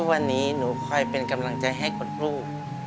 วันนี้หนูคอยเป็นกำลังใจให้กับลูก